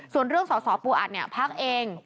ส่วนเรื่องสอสอปูอัดภักษ์เอง